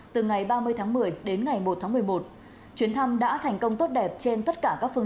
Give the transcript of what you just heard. từ ngày ba mươi tháng một mươi đến ngày một tháng một mươi một chuyến thăm đã thành công tốt đẹp trên tất cả các phương